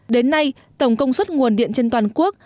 đến nay tổng công suất nguồn điện trên toàn quốc